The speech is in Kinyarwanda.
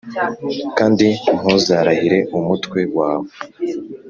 Kandi ntuzarahire umutwe wawe